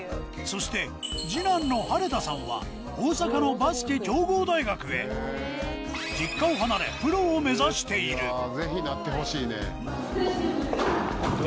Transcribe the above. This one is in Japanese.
そして二男の晴多さんは大阪のバスケ強豪大学へ実家を離れうわぜひなってほしいね。